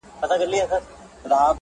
دا خپله وم_